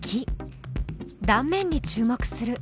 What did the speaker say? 断面に注目する。